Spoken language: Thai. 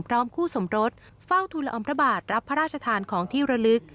พร้อมคู่สมรสเฝ้าทุลออมพระบาทรับพระราชทานของที่ระลึก